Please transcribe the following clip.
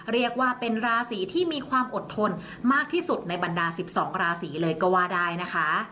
เรียกว่าเป็นราศีที่มีความอดทนมากที่สุดในบรรดา๑๒ราศีเลยก็ว่าได้นะคะ